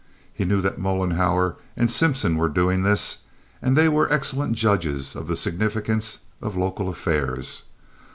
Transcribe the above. He knew that Mollenhauer and Simpson were doing this, and they were excellent judges of the significance of local affairs.